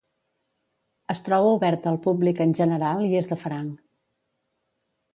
Es troba oberta al públic en general i és de franc.